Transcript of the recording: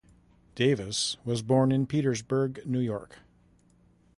Davis was born in Petersburg, New York.